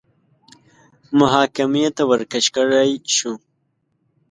محاکمې ته ورکش کړای شو